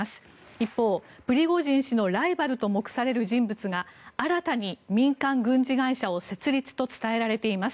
一方、プリゴジン氏のライバルと目される人物が新たに民間軍事会社を設立と伝えられています。